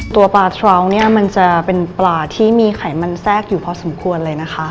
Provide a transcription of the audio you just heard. ตัวปลาทราวเนี่ยมันจะเป็นปลาที่มีไขมันแทรกอยู่พอสมควรเลยนะคะ